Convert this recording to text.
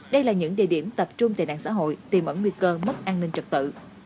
đây là những địa điểm tập trung tệ nạn xã hội tìm ẩn nguy cơ mất an ninh trật tự